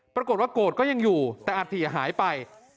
ปรากฏว่าโกรธก็ยังอยู่แต่อัฐิหายไป